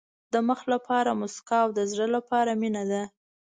د مخ لپاره موسکا او د زړه لپاره مینه ده.